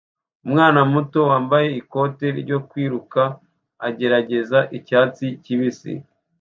Umwana muto wambaye ikoti ryo kwiruka agerageza icyatsi kibisi